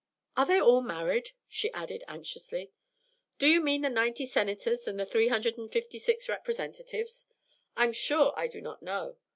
Are they all married?" she added anxiously. "Do you mean the ninety Senators and the three hundred and fifty six Representatives? I am sure I do not know.